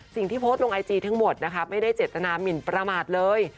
โพสต์ลงไอจีทั้งหมดนะคะไม่ได้เจตนามินประมาทเลย